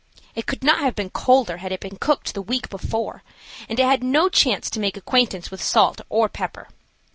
It could not have been colder had it been cooked the week before, and it had no chance to make acquaintance with salt or pepper.